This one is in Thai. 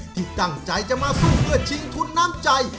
ที่ตั้งใจจะมาสู้เพื่อชิงทุนน้ำใจ